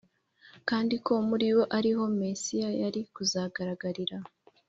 kandi ko muri bo ari ho Mesiya yari kuzagaragarira.